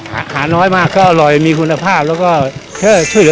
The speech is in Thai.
อาหารที่มหาล้านรุ่งทูโอ